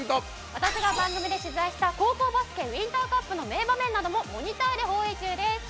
私が番組で取材した高校バスケ、ウインターカップの名場面などもモニターで放映中です。